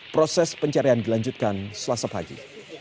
proses pencarian dilanjutkan selasa pagi